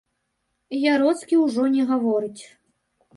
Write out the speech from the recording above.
Яроцкі ўжо не гаворыць.